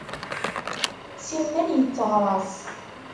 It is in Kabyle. Simmal yetteɣṛas.